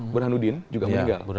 burhanudin juga meninggal